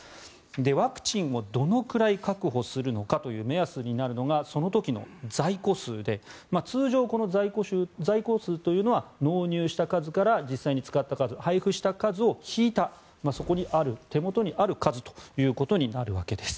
ワクチンをどのくらい確保するのかという目安になるのがその時の在庫数で通常、この在庫数というのは納入した数から実際に使った数配布した数を引いたそこにある手元にある数となるわけです。